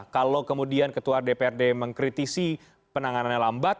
kalau kemudian ketua dprd mengkritisi penanganannya lambat